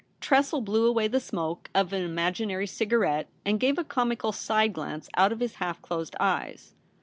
Tressel blew away the smoke of an ima ginary cigarette and gave a comical side glance out of his half closed eyes.